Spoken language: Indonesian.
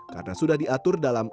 karena sudah diatur dalam